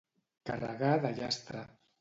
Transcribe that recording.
Carregar de llastre.